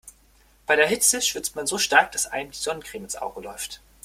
Bei der Hitze schwitzt man so stark, dass einem die Sonnencreme ins Auge läuft.